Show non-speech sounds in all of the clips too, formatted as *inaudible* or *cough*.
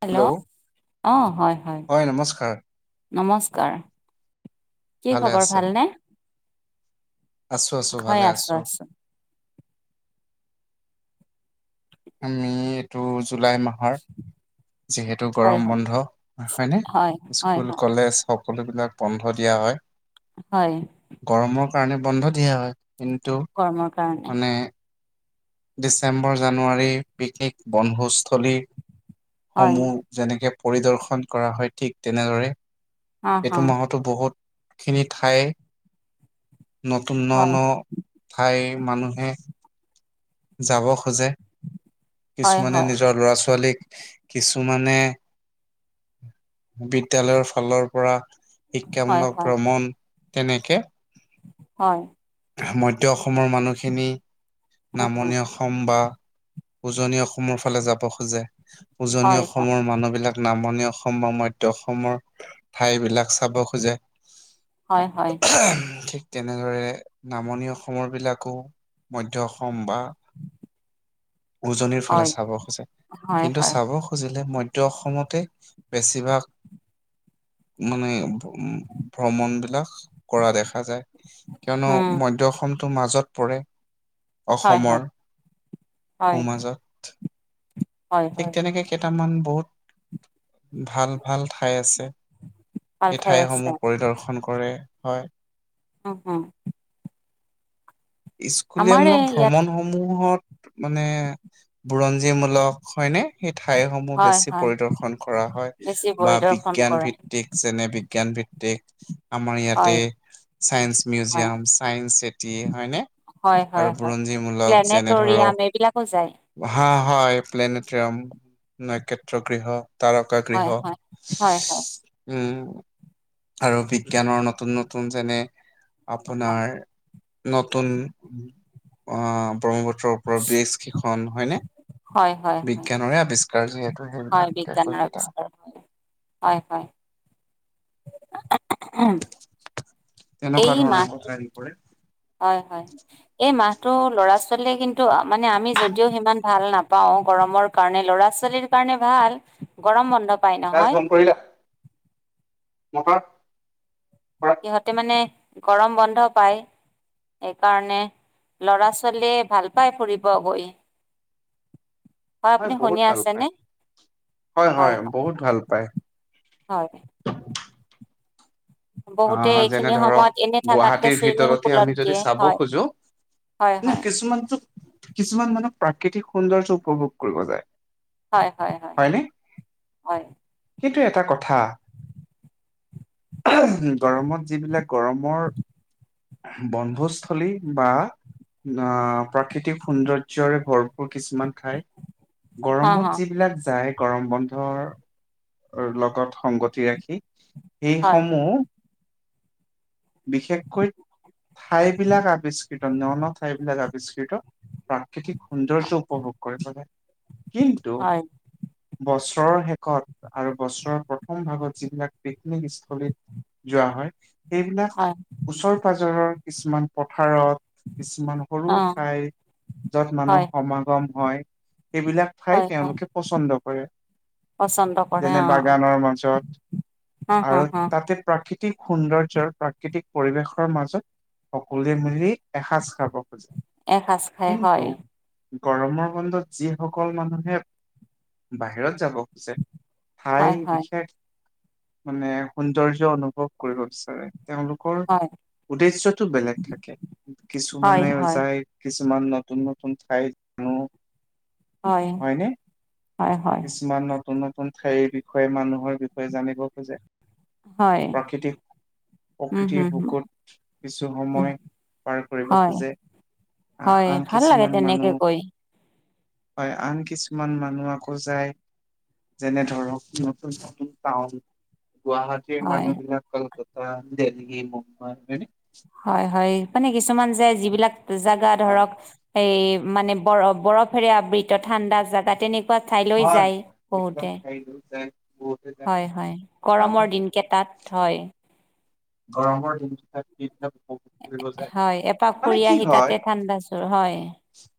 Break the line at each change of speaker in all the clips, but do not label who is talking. Hello অহ হয়
হয় নমস্কাৰ।
নমস্কাৰ কি
ভালে
খবৰ
আছে
ভালনে?
আছো- আছো ভালে আছো। আমি এইটো জুলাই মাহৰ যিহেতু
হয়
গৰম বন্ধ হয় নে
হয় হয়
স্কুল,
হয়
কলেজ হওক সকলো বিলাক বন্ধ দিয়া হয়।
হয়।
গৰমৰ কাৰণে বন্ধ দিয়া হয় কিন্তু
গৰমৰ কাৰণে
মানে ডিচেম্বৰ, জানুৱাৰী পিকনিক বনভোজস্থলী
হয়
সমূহ যেনেকে পৰিদৰ্শন কৰা হয় ঠিক তেনেদৰে
অ অ
এইটো মাহতো বহুতখিনি ঠাই নতুন ন-
হয়
ন ঠাইৰ মানুহে যাব খোজে
হয়
কিছুমানে
হয়
নিজৰ ল'ৰা- ছোৱালীক কিছুমানে *inaudible* বিদ্যালয়ৰ ফালৰ পৰা
হয়
শিক্ষামূলক
হয়
ভ্ৰমণ তেনেকে
হয়
মধ্য অসমৰ মানুহখিনি
উম উম
নামনি অসম বা উজনি অসমৰ ফালে যাব খোজে উজনি
হয় হয়
অসমৰ মানুহবিলাক নামনি অসম বা মধ্য অসমৰ ঠাই বিলাক চাব খোজে
হয় হয়
ঠিক তেনেদৰে নামনি অসমৰ বিলাকো মধ্য অসম বা উজনিৰ ফালে চাব খোজে
হয়
কিন্তু
হয়
চাব খুজিলে মধ্য মধ্য অসমতে বেছিভাগ মানে উম ভ্ৰমণ বিলাক কৰা দেখা যায় কিয়নো
উম
মধ্য অসম টো মাজত পৰে
হয় হয়
অসমৰ
হয়
সোমাজত
হয়
ঠিক
হয়
তেনেকৈ কেইটামান বহুত ভাল ভাল ঠাই আছে
ভাল
এই
ঠাই আছে
ঠাইসমূহ পৰিদৰ্শন কৰে হয়
অহ হ
স্কুলীয়ামূলক
ইয়াতে
ভ্ৰমণ সমূহত মানে বুৰঞ্জী মূলক হয়নে সেই ঠাইসমূহ
হয়
বেছি
হয়
পৰিদৰ্শন কৰা হয়
বেছি
বা
পৰিদৰ্শন
বিজ্ঞান
কৰে
ভিত্তিক যেনে বি বিজ্ঞান ভিত্তিক আমাৰ ইয়াতে
হয়
চাইন্স
হয়
মিউজিয়াম চাইন্স চিটি হয়নে
হয় হয়
আৰু
হয়
বুৰঞ্জীমূলক যেনে
প্লেনেটৰিয়াম
ধৰক
এইবিলাকো যায়
হাঁহ হয় প্লেনেটৰিয়াম নক্ষেত্ৰ গৃহ তাৰকা গৃহ
হয় হয় হয় হয়
উম আৰু বিজ্ঞানৰ নতুন নতুন যেনে আপোনাৰ নতুন অহ ব্ৰহ্মপুত্ৰ ব্ৰহ্মপুত্ৰৰ ওপৰত বিচ কেইখন হয়নে
হয় হয় হয়
বিজ্ঞানৰে আৱিষ্কাৰ যিহেতু সেইবিলাক
হয় বিজ্ঞানৰ
একোটা
আৱিষ্কাৰ হয় হয় উম
তেনেকুৱা
এই
ধৰণৰ কথা
মাহটো
হেৰি কৰে
হয় হয় এই মাহ তোৰ ল'ৰা ছোৱালীয়ে কিন্তু মানে আমি যদিও সিমান ভাল নাপাওঁ গৰমৰ কাৰণে ল'ৰা ছোৱালীৰ কাৰণে হেত কাৰনে ভাল গৰম বন্ধ। পায়
ৰাছ
নহয়
গম কৰিলা *unintelligible* কৰা
সিহঁতে মানে গৰম বন্ধ পায়। এইকাৰণে লৰা ছোৱালীয়ে ভাল পাই ফুৰিব গৈ।
হয়
আপুনি
বহুত
শুনি
ভাল
আছেনে
পায়। হয় হয় বহুত ভাল পায়।
হয় বহুতে
আহ যেনে
এইখিনি
ধৰক,
সময়ত এনে থাকাতকে
গুৱাহাটীৰ
চুইমিং
ভিতৰতে
পুলত
আমি যদি
দিয়ে
চাব
হয়
খোজো
হয়
না
হয়
কিছুমানতো কিছুমান মানুহ প্ৰাকৃতিক সৌন্দৰ্য উপভোগ কৰিব যায়।
হয় হয় হয় হয়।
সেইটো এটা কথা। গৰমত যিবিলাক গৰমৰ বন্ধস্থলী বা অহ প্ৰাকৃতিক সৌন্দৰ্যৰে ভৰপূৰ কিছুমান ঠাই
হা হা
গৰমত যিবিলাক যায় গৰম বন্ধৰ লগত সংগতি ৰাখি,
হয়
সেইসমূহ বিশেষকৈ ঠাইবিলাক আৱিষ্কৃত ন ন ঠাইবিলাক আৱিষ্কৃত প্ৰা কৃতি
হয়,
সৌন্দৰ্য উপভোগ কৰিবলে, কিন্তু
হয়,
ব বছৰ শেষত আৰু বছৰৰ প্ৰথম ভাগত যিবিলাক পিকনিক স্থলীত যোৱা হয়। সেইবিলাক ওচৰ -পাজৰৰ কিছুমান পথাৰত কিছুমান সৰু
অ',
ঠাই যত
হয়,
মানুহ সমাগম হয়। এইবিলাক ঠাই
হয়, হয়,
তেওঁলোকে পচন্দ কৰে।
পচন্দ কৰে
যেনে
অ',
বাগানৰ মঞ্চত
হা, হা,
আৰু
হা,
তাতে প্ৰাক প্ৰাকৃতিক সৌন্দৰ্যৰ, প্ৰাকৃতিক পৰিৱেশৰ মাজত সকলোৱে মিলি এসাঁজ খাব। খোজে
এসাজ খাই
কিন্তু
হয়।
গৰমৰ বন্ধত যিসকল মানুহে বাহিৰত যাব খোজে ঠাই
হয়, হয়,
বিশেষ মানে সৌন্দৰ্য অনুভৱ কৰিব বিচাৰে। তেওঁলোকৰ
হয়,
উদ্দেশ্যটো বেলেগ থাকে,
হয়,
কিছুমানে
হয়,
যায়, কি কিছুমান নতুন নতুন ঠাইত নো
হয়,
হয়নে?
হয়, হয়,
কিছুমান নতুন নত তুন ঠাইৰ বিষয়ে মানুহৰ বিষয়ে জানিব খোজে।
হয়।
প্ৰাকৃতিক
উম,
প্ৰকৃতিৰ
হম, হম,
বুকুত, কিছু
উম,
সময় পাৰ কৰিব
হয়,
খোজে।
হয়,
আহ আন
ভাল লাগে
কিছুমান
তেনেকে
মানুহ
গৈ।
হয় আন কিছুমান মানুহ আকৌ যায় যেনে ধৰক নতুন নতুন টাউন গুৱাহাটীৰ
হয়,
মানু্হবিলাক কলকাতা, দিল্লী, মুম্বাই হয়নে?
হয় হয় মানে কিছুমান যায় যিবিলাক জেগা
হয় নে?
ধৰক এই মানে বৰ বৰফেৰে আবৃত ঠাণ্ডা জাগা তেনেক পা ঠাইলৈ
হয় হয়
যায়
এইবিলাক
বহুতে।
ঠাইলৈ যায় বহুতে যায়
হয় হয়
হয় হয়।
গৰমৰ দিনকেইটাত হয়।
গৰমৰ দিনটো উপভোগ কৰিব যায়,
হয়, এপাক
মানে
ফুৰি
কি
আহি তাতে
হয়?
ঠাণ্ডা জোৰ হয়।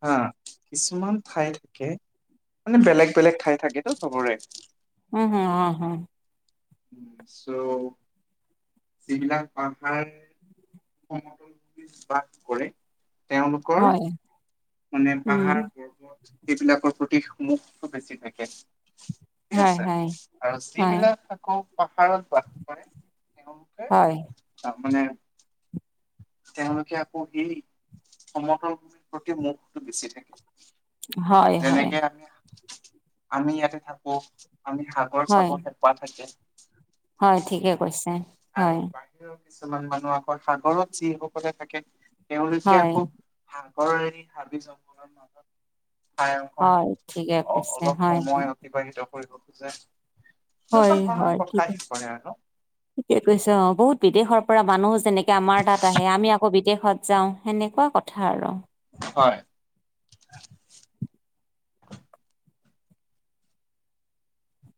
হা কিছুমান ঠাই থাকে মানে বেলেগ বেলেগ ঠাই থাকেতো সবৰে।
উম হুম অ হু।
উম, চ' যিবিলাক পাহাৰ সমভূমিত বাস কৰে, তেওঁলোকৰ
হয়,
মানে
উম,
পাহাৰ- পৰ্বত এইবিলাকৰ প্ৰতি মূহটো বেছি থাকে। ঠিক
হয়,
আছে,
হয়,
আৰু
হয়,
যিবিলাক আকৌ পাহাৰত বাস কৰে
হয়,
মানে তেওঁলোকে আকৌ এই সমতলিৰ প্ৰতি মুখটো বেছি থাকে।
হয় হয়।
যেনেকে আমি আমি ইয়াতে থাকোঁ, আমি সাগৰ
হয়,
চাব হেঁপাহ থাকে।
হয় ঠিকে কৈছে। হয়,
আৰু বাহিৰৰ কিছুমান মানুহ আকৌ সাগৰত যিসকলে থাকে। তেওঁলোকে
হয়,
আকৌ সাগৰ এৰি হাবি জংঘলৰ মাজত
হয়, ঠিকে
ঠাই অ
কৈছে,
অলপ
হয়, হয়,
সময় অতিবাহিত কৰিব খোজে,
হয়,
এনেকুৱা ধৰণৰ কথা আহি পৰে ন।
কি কৈছ অ বহুত বিদেশৰ পৰা মানুহ যেনেকে আমাৰ তাত আহে আমি আকৌ বিদেশত যাওঁ সেনেকুৱা কথা। ধাৰ ৰূম।
হয়।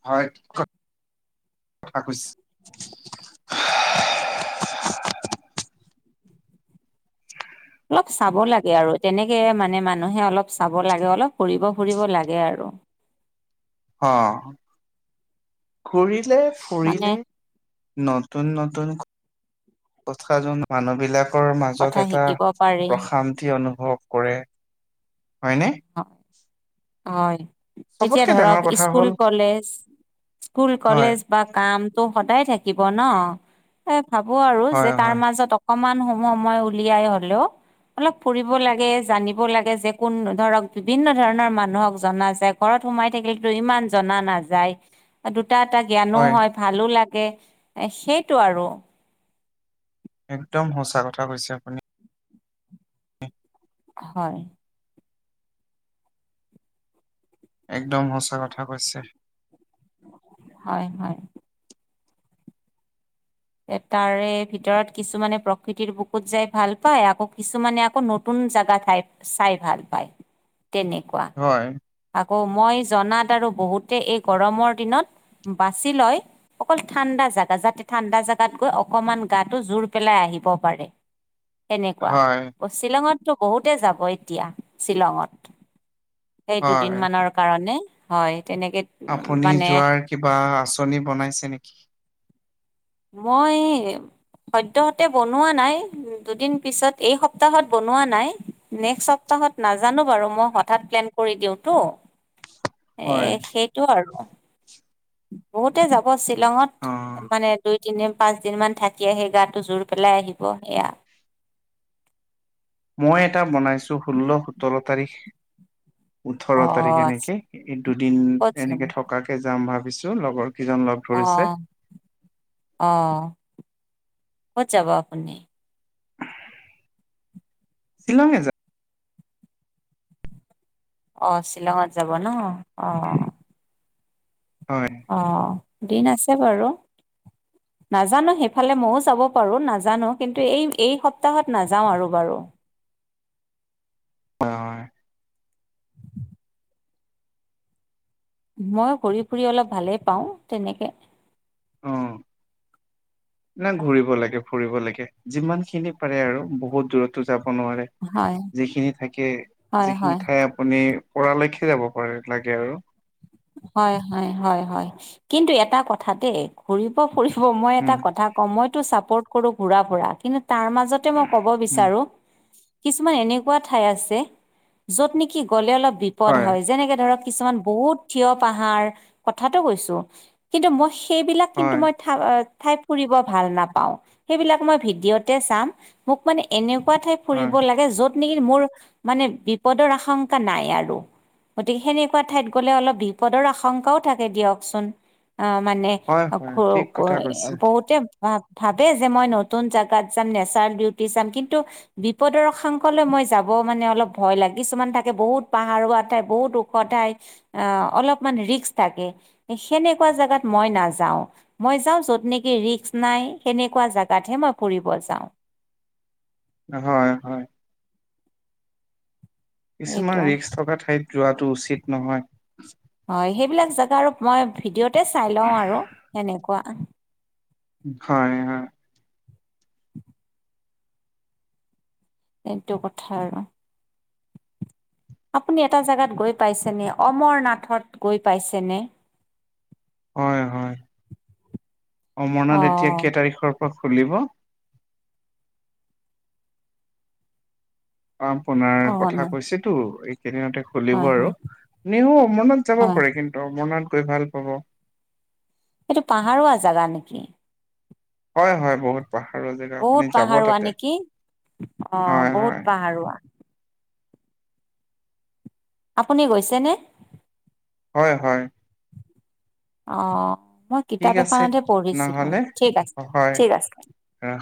হয় ঠিক কথা কৈছে? *unintelligible*
অলপ চাব লাগে আৰু তেনেকে মানে মানুহে অলপ চাব লাগে অলপ ফুৰিব ফুৰিব লাগে আৰু।
অ খুৰী
মানে
ফুৰিলে নতুন নতুন কথা মানুহবিলাকৰ
কথা
মাজত এটা
শিকিব পাৰি,
প্ৰশান্তি অনু ভৱ কৰে হয়নে?
হয় এতিয়া
চবতকে
ধৰক
ডাঙৰ কথা
স্কুল
হ'ল
কলেজ, স্কুল
হয়
কলেজ বা কাম ত সদায় থাকিব ন ভাবো আৰু যে
হয়
তাৰ
হয়
মাজত অকমান সময় সময় উলিয়াই হলেও অলপ ফুৰিব লাগে জানিব লাগে যে কোন- ধৰক বিভিন্ন ধৰণৰ মানুহক জনা যায় ঘৰত সোমাই থাকিলেতো ইমান জনা নাযায়। এইটোট দুটা এটা জ্ঞানো হয় ভালো লাগে সেইটো আৰু
একদম সঁচা কথা কৈছে আপুনি
হয়
একদম সঁচা কথা কৈছে
হয় হয় তাৰে ভিতৰত কিছুমানে প্ৰকৃতিৰ বুকুত যাই ভাল পায়। আকৌ কিছুমানে আকৌ নতুন জাগা চাই চাই ভাল পায়। তেনেকুৱা
হয়,
অ মই জনাত আৰু বহুতে এই গৰমৰ দিনত বাছি লয় অকল ঠাণ্ডা জেগা যাতে ঠাণ্ডা জেগা তাত গৈ অকমান গাটো জোৰ পেলাই আহিব পাৰে। তেনেকুৱা
হয়,
প শ্বিলঙত টো বহুতে যাব এতিয়া শ্বিলঙত। সেই দুদিন
হয়।
মানৰ কাৰণে হয় তেনেকে
আপুনি
মানে
যোৱাৰ কিবা আঁচনি বনাইছে নেকি?
মই সদ্যহতে বনোৱা নাই দুদিন পিছত এই সপ্তাহত বনোৱা নাই নেক্স সপ হত নাজানো বাৰু মই হঠাৎ প্লেন কৰি দিওঁতো এ
হয়,
সেইটো আৰু বহুতে যাব শ্বিলঙত
অ'।
মানে দুই পাঁচ দিন মান থাকি আহে গাটো জোৰ পেলাই আহিব সেয়া,
মই এটা বনাইছোঁ ষোল্ল সোতৰ তাৰিখ ওঠৰ
অ
তাৰিখ
আচ্ছা
এনেকে এই দুদিন
ক'ত যাম
এনেকে থকাকে যাম ভাবিছো লগৰ কেইজন লগ
অ
ধৰিছে।
অ, ক'ত যাব আপুনি?
শ্বিলং এ যাম
অ শ্বিলঙত যাব ন অ
হয়,
অ দিন আছে বাৰু
*inaudible*
নাজানো সেইফালে মইও যাব পাৰো নাজানো কিন্তু এই এই সপ্তাহত নাযাওঁ আৰু বাৰু।
অ
মই ঘূৰি ফুৰি অলপ ভালেই পাওঁ, তেনেকে
অহ না ঘুৰিব লাগে, ফুৰিব লাগে, যিমান খিনি পাৰে আৰু বহুত দূৰতো যাব নোৱাৰে
হয়
যিখিনি থাকে,
হয় হয়
যিখিনি ঠাই আপুনি পৰা লৈকে যাব পাৰে লাগে আৰু
হয় হয় হয় হয়, কিন্তু এটা কথা দেই ঘুৰিব ফুৰিব মই এটা
উম,
কথা কওঁ, মইতো চাপৰ্ট কৰো ঘুৰা ফুৰা কিন্তু তাৰ মাজতে মই ক'ব
উম,
বিচাৰো, কিছুমান এনেকোৱা ঠাই আছে, যত নেকি গ'লে অলপ বিপদ হয় যেনেকে ধৰক- কিছুমান বহুত থিয় পাহাৰ, কথাটো কৈছো কিন্তু মই সেইবিলাক কিন্তু
হয়,
মই ঠাই ফুৰিব ভাল নাপাওঁ। সেইবিলাক মই ভিডিঅতে চাম মোক মানে এনে কোৱা ঠাই ফুৰিব
হয়,
লাগে য'ত নেকি মোৰ মানে বিপদৰ আশংকা নাই আৰু, গতিকে সেনেকুৱা ঠাইত গ'লে অলপ বিপদৰ আশংকাও থাকে দিয়কচোন। অ মানে
হয়, হয়, ঠিক কথা কৈছে।
বহুতে বা ভাবে যে মই নতুন জেগাত যাম নেচাৰেল বিউটি চাম কিন্তু বিপদৰ অসাংক লে মই যাব মানে অলপ ভয় লাগে কিছুমান থাকে বহুত পাহাৰোৱা ঠাই বহুত ওখ ঠাই আহ অলপমান ৰিস্ক থাকে সেনেকোৱা জোগাত মই নাযাও মই যাওঁ যত নেকি ৰিক্স নাই সেনেকোৱা জোগাতহে মই ফুৰিব যাওঁ।
হয় হয় কিছুমান
এইটো
ৰিস্ক থকা ঠাইত যোৱাটো উচিত নহয়।
হয় সেইবিলাক জাগা আৰু মই ভিডিঅ'তে চাই লও আৰু সেনেকোৱা।
হয় হয়
এইটো কথা আৰু।
*inaudible*
আপুনি এটা জেগাত গৈ পাইছেনে অমৰনাথত গৈ পাইছেনে?
হয় হয় অমৰনাথ এতিয়া
অ',
কেই তাৰিখৰ পৰা খুলিব আ্পোনাৰ
অ',
কথা
নাই
কৈছেতো এই কেইদিনতে খুলিব
হয়,
আৰু
হয়,
নেহু অমৰনাথ যাব
হয়,
পাৰে কিন্তু অমৰনাথ গৈ ভাল পাব
এইটো পাহাৰুৱা জাগা নেকি?
হয় হয় বহুত পাহাৰৰ জেগা
বহুত
আপুনি যাব
পাহাৰুৱা
তাতে
নেকি? অ',
হয়
বহুত
হয়
পাহাৰুৱা আপুনি গৈছেনে?
হয় হয়
অ মই
ঠিক
কিতাপ
আছে
এখনতে পঢ়িছিলো
নহ'লে
ঠিক আছে
হয়,
ঠিক আছে।
ৰাখ